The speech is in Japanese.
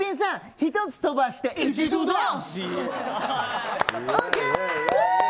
１つ飛ばしてＯＫ！